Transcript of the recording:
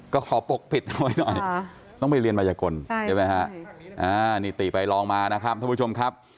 ก็ขอปกปิดไว้น่ะนะครับต้องไปเรียนมัยกลใช่ไหมใช่นี่ติไปลองมานะครับ